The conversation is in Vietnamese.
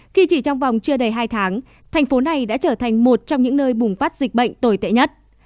khi chỉ trong vòng chưa đầy hai tháng thành phố này đã trở thành một trong những nơi bùng phát dịch bệnh tồi tệ nhất